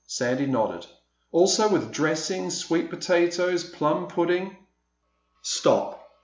Sandy nodded. "Also with dressing, sweet potatoes, plum pudding—" "Stop!"